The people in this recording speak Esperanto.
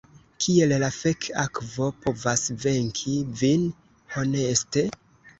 Kiel la fek' akvo povas venki vin, honeste?